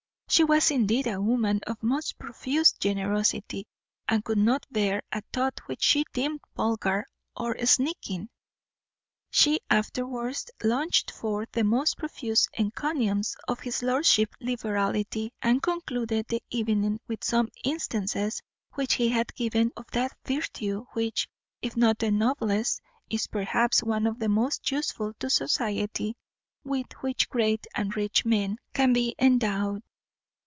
She was indeed a woman of most profuse generosity, and could not bear a thought which she deemed vulgar or sneaking. She afterwards launched forth the most profuse encomiums of his lordship's liberality, and concluded the evening with some instances which he had given of that virtue which, if not the noblest, is, perhaps, one of the most useful to society with which great and rich men can be endowed.